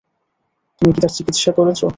তুমি কি তার চিকিৎসা করেছ?